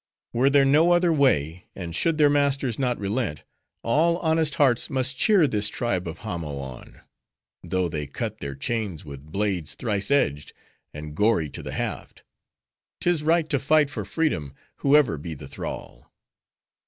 were there no other way, and should their masters not relent, all honest hearts must cheer this tribe of Hamo on; though they cut their chains with blades thrice edged, and gory to the haft! 'Tis right to fight for freedom, whoever be the thrall."